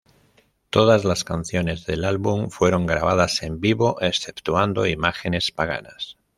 Todas las canciones de álbum fueron grabadas en vivo, exceptuando "Imágenes paganas".